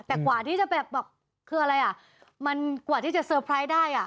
แต่กว่าที่จะแบบคืออะไรอ่ะมันกว่าที่จะเตอร์ไพรส์ได้อ่ะ